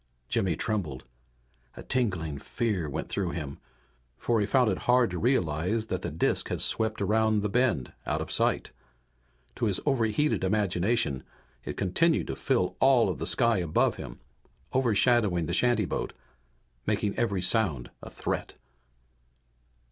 Jimmy trembled. A tingling fear went through him, for he found it hard to realize that the disk had swept around the bend out of sight. To his overheated imagination it continued to fill all of the sky above him, overshadowing the shantyboat, making every sound a threat.